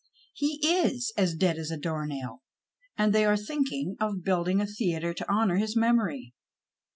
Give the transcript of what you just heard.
He is as dead as a doornail, and they are thinking of building a theatre to honour his memory."